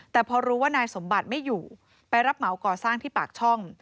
แต่พอรู้ว่านายสมบัติไม่อยู่ไปรับเหมาก่อสร้างที่ปากช่อง